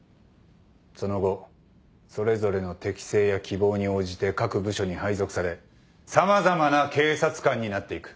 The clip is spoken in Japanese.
その後それぞれの適性や希望に応じて各部署に配属され様々な警察官になっていく。